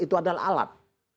itu adalah alat